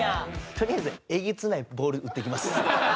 とりあえずえげつないボール打ってきます。